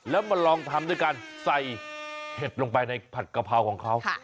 แล้วมาลองทำด้วยการใส่เห็ดลงไปในผัดกะเพราของเขา